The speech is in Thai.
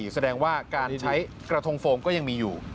แสดงว่าการใช้กระทงโฟมก็ยังมีอยู่